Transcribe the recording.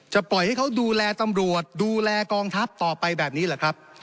ปล่อยให้เขาดูแลตำรวจดูแลกองทัพต่อไปแบบนี้เหรอครับ